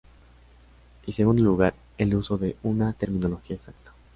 En segundo lugar, el uso de una terminología exacta.